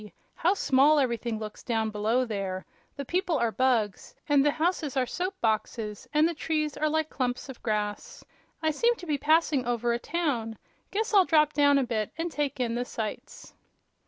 How small everything looks down below there. The people are bugs, and the houses are soap boxes, and the trees are like clumps of grass. I seem to be passing over a town. Guess I'll drop down a bit, and take in the sights."